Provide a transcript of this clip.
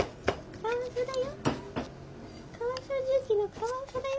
「カワウソだよ。